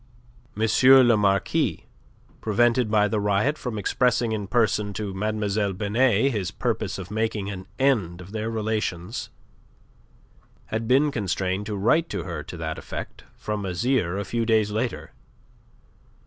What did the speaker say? M. le Marquis, prevented by the riot from expressing in person to Mlle. Binet his purpose of making an end of their relations, had been constrained to write to her to that effect from Azyr a few days later.